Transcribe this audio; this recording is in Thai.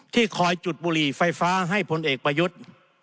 ที่คอยจุดบุหรี่ไฟฟ้าให้พลเอกประยุทธ์